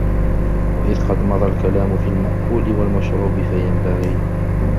وَإِذْ قَدْ مَضَى الْكَلَامُ فِي الْمَأْكُولِ وَالْمَشْرُوبِ فَيَنْبَغِي